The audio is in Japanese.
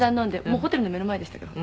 「もうホテルの目の前でしたから」